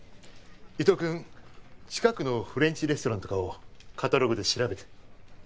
伊藤君近くのフレンチレストランとかをカトログで調べて。